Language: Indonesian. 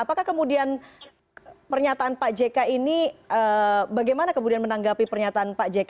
apakah kemudian pernyataan pak jk ini bagaimana kemudian menanggapi pernyataan pak jk